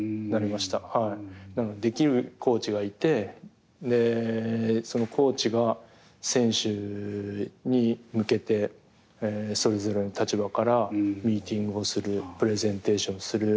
できるコーチがいてでそのコーチが選手に向けてそれぞれの立場からミーティングをするプレゼンテーションをする。